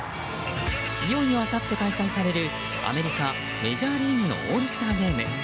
いよいよあさって開催されるアメリカメジャーリーグのオールスターゲーム。